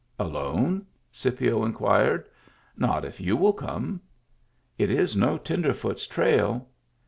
" Alone ?" Scipio inquired. Not if you will come." " It is no tenderfoot's trail."